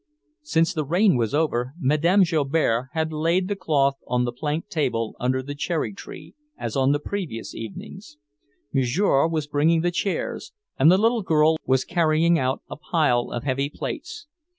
Since the rain was over, Madame Joubert had laid the cloth on the plank table under the cherry tree, as on the previous evenings. Monsieur was bringing the chairs, and the little girl was carrying out a pile of heavy plates.